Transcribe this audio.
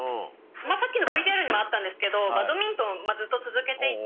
今さっきのＶＴＲにもあったんですけどバドミントンずっと続けていて。